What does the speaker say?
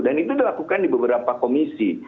dan itu dilakukan di beberapa komisi